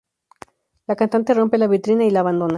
La cantante rompe la vitrina y la abandona.